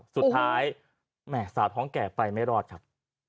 แหม่สาวท้องแก่ไปไม่รอดครับ